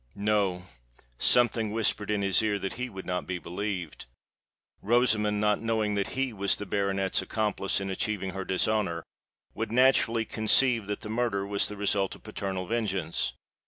No:—something whispered in his ear that he would not be believed. Rosamond, not knowing that he was the baronet's accomplice in achieving her dishonour, would naturally conceive that the murder was the result of paternal vengeance.